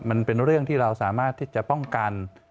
มันเป็นเรื่องที่เราสามารถที่จะป้องกัน